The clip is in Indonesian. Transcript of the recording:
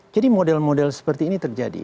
jadi model model seperti ini terjadi